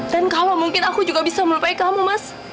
dan kalau mungkin aku juga bisa melupain kamu mas